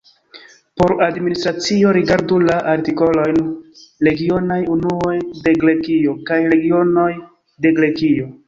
Por administracio rigardu la artikolojn Regionaj unuoj de Grekio kaj Regionoj de Grekio.